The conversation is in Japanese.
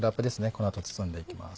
この後包んでいきます。